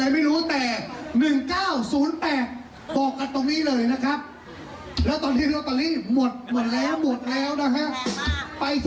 เพราะว่าตอนนี้กรสลากตามตัวผมแล้วนะครับ